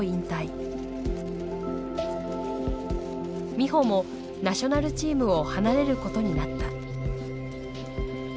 美帆もナショナルチームを離れることになった。